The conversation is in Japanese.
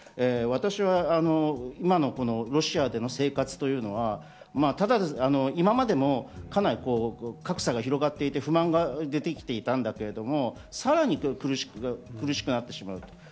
私は今のロシアでの生活というのは今までも格差が広がっていって不満が出てきていたんだけれども、さらに苦しくなってしまうと。